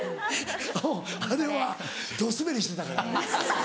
うんあれはどスベりしてたから。